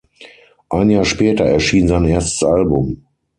Ein Jahr später erschien sein erstes Album.